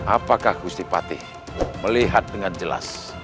apakah gusti patih melihat dengan jelas